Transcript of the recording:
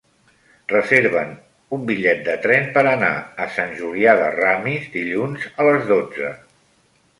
Reserva'm un bitllet de tren per anar a Sant Julià de Ramis dilluns a les dotze.